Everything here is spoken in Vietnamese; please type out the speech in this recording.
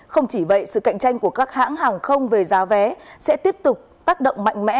không chỉ vậy sự cạnh tranh của các hãng hàng không về giá vé sẽ tiếp tục tác động mạnh mẽ